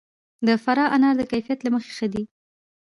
د فراه انار د کیفیت له مخې ښه دي.